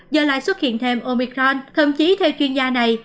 giờ lại xuất hiện thêm omicron thậm chí theo chuyên gia này